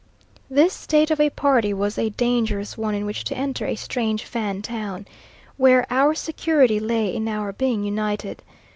This state of a party was a dangerous one in which to enter a strange Fan town, where our security lay in our being united.